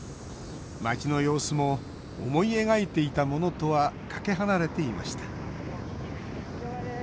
街の様子も思い描いていたものとはかけ離れていました。